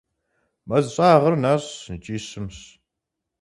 Мэз щӀагъыр нэщӀщ икӀи щымщ.